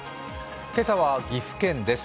今朝は岐阜県です。